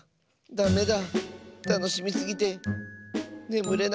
ダメだ。